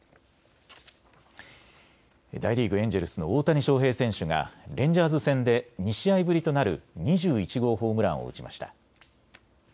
大リーグ、エンジェルスの大谷翔平選手がレンジャーズ戦で２試合ぶりとなる２１号ホームランを打ちました。